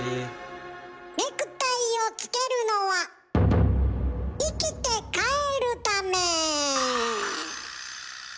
ネクタイをつけるのは生きて帰るため。